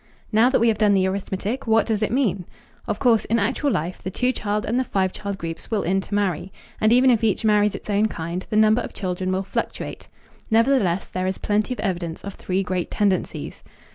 Now that we have done the arithmetic, what does it mean? Of course in actual life the two child and the five child groups will intermarry. And even if each marries its own kind, the number of children will fluctuate. Nevertheless, there is plenty of evidence of three great tendencies.